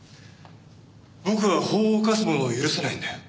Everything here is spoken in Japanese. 僕は法を犯す者を許せないんだよ。